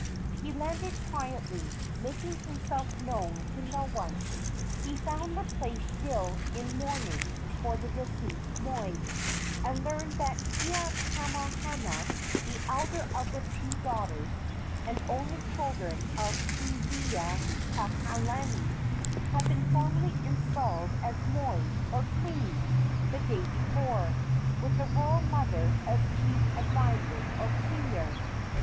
He landed quietly, making himself known to no one. He found the place still in mourning for the deceased moi, and learned that Keakamahana, the elder of the two daughters and only children of Kealiiokalani, had been formally installed as moi, or queen, the day before, with the royal mother as chief adviser or premier.